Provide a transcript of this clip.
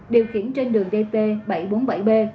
điều khiển trên đường dp bảy trăm bốn mươi bảy b